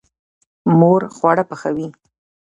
مور خواړه پخوي.